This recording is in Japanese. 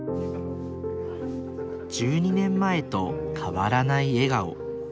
１２年前と変わらない笑顔。